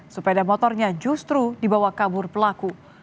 sepeda motornya justru dibawa kabur pelaku